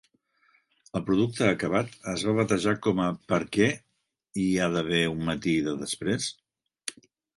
El producte acabat es va batejar com a "Per què hi ha d'haver un matí de després?"